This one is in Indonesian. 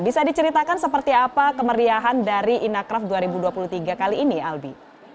bisa diceritakan seperti apa kemeriahan dari inacraft dua ribu dua puluh tiga kali ini albi